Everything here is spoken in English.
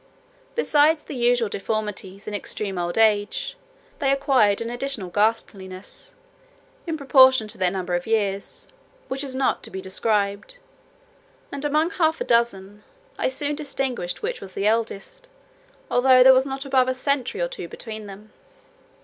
Besides the usual deformities in extreme old age, they acquired an additional ghastliness, in proportion to their number of years, which is not to be described; and among half a dozen, I soon distinguished which was the eldest, although there was not above a century or two between them.